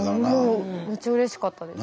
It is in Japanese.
もうめっちゃうれしかったです。